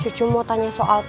cucu tuh udah ngomong sama emak